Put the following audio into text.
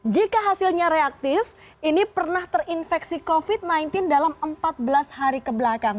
jika hasilnya reaktif ini pernah terinfeksi covid sembilan belas dalam empat belas hari kebelakang